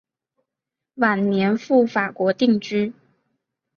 晚年赴法国定居。